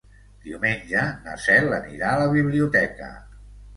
Diumenge na Cel anirà a la biblioteca.